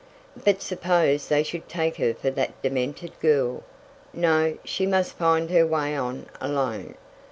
But suppose they should take her for that demented girl? No, she must find her way on alone.